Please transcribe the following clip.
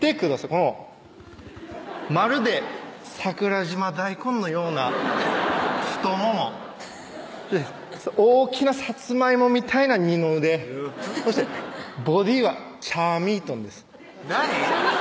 このまるで桜島大根のような太もも大きなさつまいもみたいな二の腕そしてボディーは茶美豚です何？